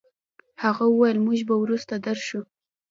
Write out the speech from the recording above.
هغه وويل چې موږ به وروسته درشو.